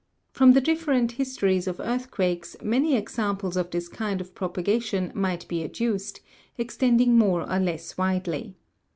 From the different histo ries of earthquakes, many examples of this kind of propagation might be adduced, extending more or less widely.